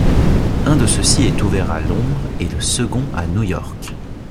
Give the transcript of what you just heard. Un de ceux-ci est ouvert à Londres et le second à New York.